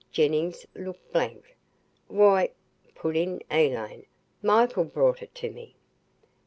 Jennings looked blank. "Why," put in Elaine, "Michael brought it to me."